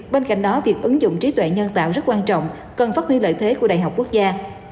bên cạnh đó việc ứng dụng trí tuệ nhân tạo rất quan trọng cần phát huy lợi thế của đại học quốc gia